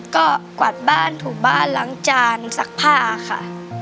ก็กวาดบ้านถูบ้านล้างจานซักผ้าค่ะ